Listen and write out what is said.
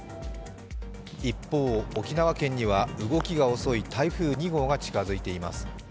一方、沖縄県には動きが遅い台風２号が近づいています。